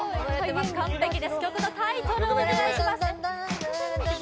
完璧です曲のタイトルをお願いします